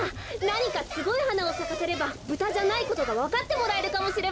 なにかすごいはなをさかせればブタじゃないことがわかってもらえるかもしれません。